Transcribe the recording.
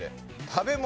食べ物。